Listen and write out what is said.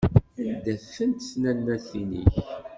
Anda-tent tnannatin-ik?